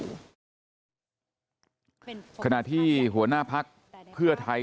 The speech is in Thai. ในเวลาที่หัวหน้าภักดิ์เพื่อไทย